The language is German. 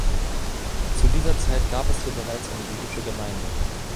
Zu dieser Zeit gab es hier bereits eine jüdische Gemeinde.